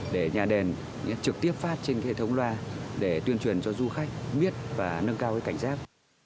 để nhà đền trực tiếp phát trên hệ thống loa để tuyên truyền cho du khách biết và nâng cao cảnh giác